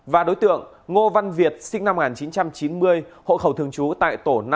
và đối tượng ngô văn việt sinh năm một nghìn chín trăm chín mươi hộ khẩu thường trú tại tổ năm